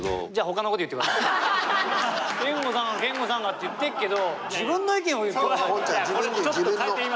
「憲剛さんが憲剛さんが」って言ってっけど。